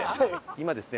今ですね